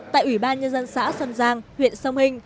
tại ủy ban nhân dân xã sơn giang huyện sông hinh